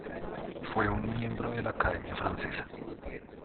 Fue un miembro de la Academia Francesa.